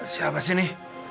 siapa sih ini